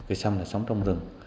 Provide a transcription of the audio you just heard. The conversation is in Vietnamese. cây sâm là sống trong rừng